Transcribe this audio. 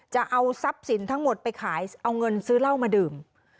จะเอาทรัพย์สินทั้งหมดไปขายเอาเงินซื้อเหล้ามาดื่ม